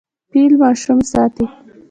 فیل ماشوم ساتي.